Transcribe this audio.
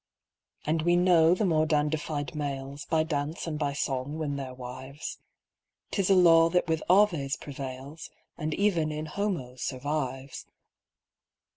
And we know the more dandified males By dance and by song win their wives 'Tis a law that with Aves prevails, ifVnd even in Homo survives.